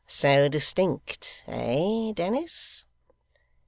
'So distinct, eh Dennis?